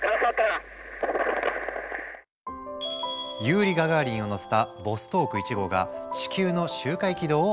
ユーリイ・ガガーリンを乗せたボストーク１号が地球の周回軌道を一周。